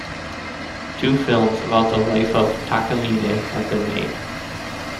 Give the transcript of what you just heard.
Two films about the life of Takamine have been made.